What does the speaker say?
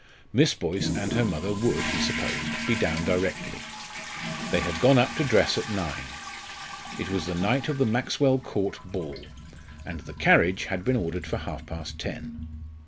Miss Boyce and her mother would, he supposed, be down directly. They had gone up to dress at nine. It was the night of the Maxwell Court ball, and the carriage had been ordered for half past ten.